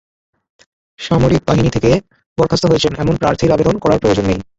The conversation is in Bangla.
সামরিক বাহিনী থেকে বরখাস্ত হয়েছেন, এমন প্রার্থীর আবেদন করার প্রয়োজন নেই।